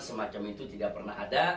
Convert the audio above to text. semacam itu tidak pernah ada